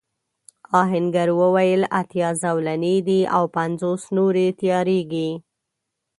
آهنګر وویل اتيا زولنې دي او پنځوس نورې تياریږي.